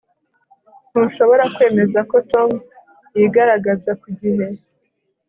Ntushobora kwemeza ko Tom yigaragaza ku gihe